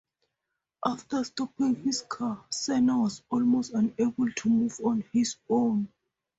After stopping his car, Senna was almost unable to move on his own.